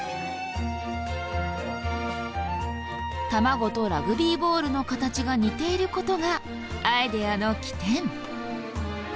卵とラグビーボールの形が似ていることがアイデアの起点。